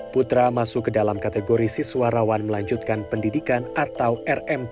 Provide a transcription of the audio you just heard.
putra masuk ke dalam kategori siswa rawan melanjutkan pendidikan atau rmk